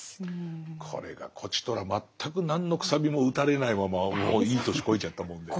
これがこちとら全く何の楔も打たれないままいい年こいちゃったもんで。